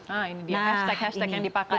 nah ini dia hashtag hashtag yang dipakai